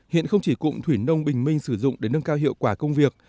hiện không chỉ cụm thủy nông bình minh sử dụng để nâng cao hiệu quả công việc